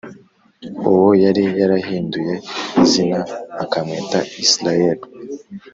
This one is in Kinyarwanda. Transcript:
uwo yari yarahinduye izina akamwita Isirayeli